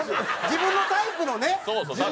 自分のどタイプの。